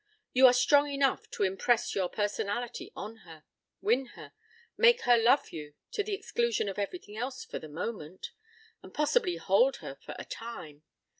You are strong enough to impress your personality on her, win her, make her love you to the exclusion of everything else for the moment, and possibly hold her for a time.